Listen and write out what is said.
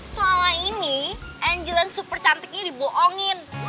salah ini angel yang super cantiknya diboongin